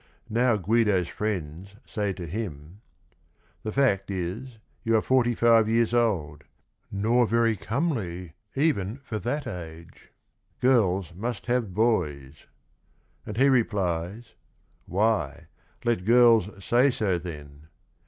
Now Guido's friends say to him, "The fact is you are forty five years old, Nor very comely even for that age : Girls must have boys." And he replies: "Why, let girls say so then."